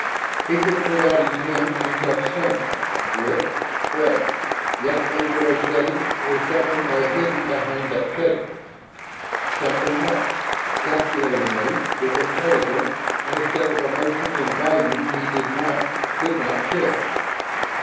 He could put out his hand and touch sand, drift, spray; yet they were a setting where something lay hidden behind that setting something watched, calculatingly, with intelligence, and a set of emotions and values he did not, could not share.